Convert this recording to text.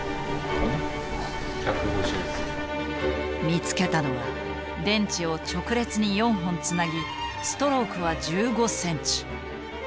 見つけたのは電池を直列に４本つなぎストロークは１５センチ。